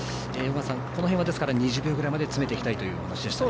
この辺は２０秒ぐらいまで詰めたいというお話でしたね。